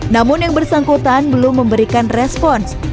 namun yang bersangkutan belum memberikan respons